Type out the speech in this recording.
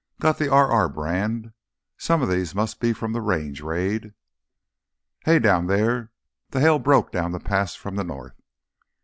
"Got th' RR brand! Some of these must be from th' Range raid." "Hey—down here—!" The hail broke down the pass from the north.